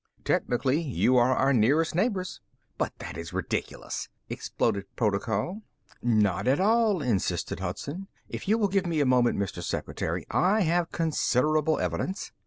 "Technically, you are our nearest neighbors." "But that is ridiculous!" exploded Protocol. "Not at all," insisted Hudson. "If you will give me a moment, Mr. Secretary, I have considerable evidence."